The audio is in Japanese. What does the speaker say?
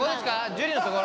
樹のところ。